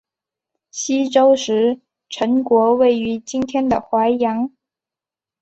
西周时陈国位于今天的淮阳。